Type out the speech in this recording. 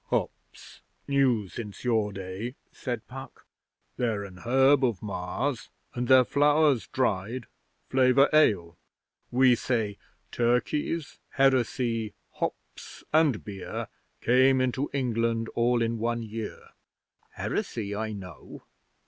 'Hops. New since your day,' said Puck. 'They're an herb of Mars, and their flowers dried flavour ale. We say 'Turkeys, Heresy, Hops, and Beer Came into England all in one year.' 'Heresy I know.